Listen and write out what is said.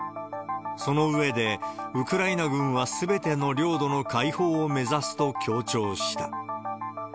その上で、ウクライナ軍はすべての領土の解放を目指すと強調した。